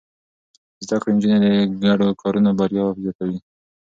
زده کړې نجونې د ګډو کارونو بريا زياتوي.